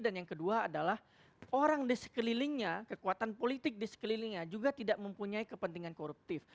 dan yang kedua adalah orang di sekelilingnya kekuatan politik di sekelilingnya juga tidak mempunyai kepentingan koruptif